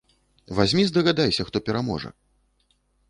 Вазьмі здагадайся, хто пераможа?